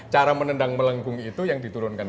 cara menendang melengkung itu yang diturunkan